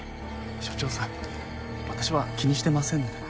署長さん私は気にしてませんので。